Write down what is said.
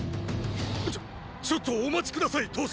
ちょちょっとお待ち下さい騰様。